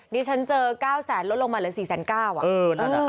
นี่ฉันเจอเก้าแสนลดลงมาเหลือสี่แสนเก้าอ่ะ